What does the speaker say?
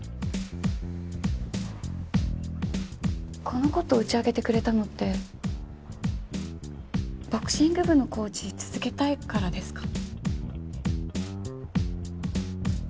この事を打ち明けてくれたのってボクシング部のコーチ続けたいからですか？